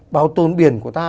bảo tồn biển của ta